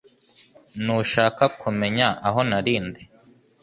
Ntushaka kumenya aho nari ndi